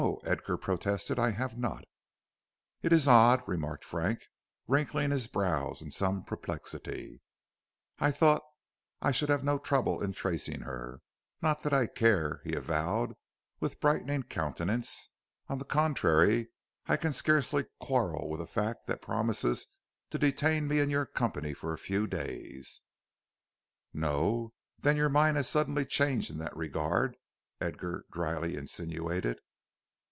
"No," Edgar protested, "I have not." "It is odd," remarked Frank, wrinkling his brows in some perplexity. "I thought I should have no trouble in tracing her. Not that I care," he avowed with brightening countenance. "On the contrary, I can scarcely quarrel with a fact that promises to detain me in your company for a few days." "No? Then your mind has suddenly changed in that regard," Edgar dryly insinuated.